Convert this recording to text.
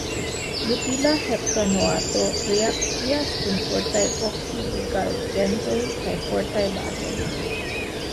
Butila heptanoato reakcias kun fortaj oksidigagentoj kaj fortaj bazoj.